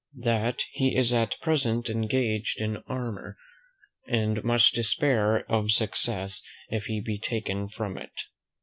"That he is at present engaged in an amour, and must despair of success if it be taken from him.